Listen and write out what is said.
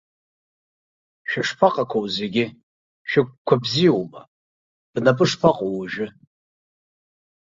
Шәышԥаҟақәоу зегьы, шәыгәқәа бзиоума, бнапы шԥаҟоу уажәы?